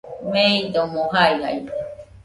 meidomo jaijaide.